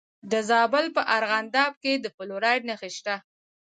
د زابل په ارغنداب کې د فلورایټ نښې شته.